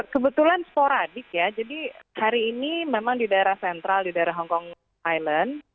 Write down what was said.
kebetulan sporadik ya jadi hari ini memang di daerah sentral di daerah hongkong island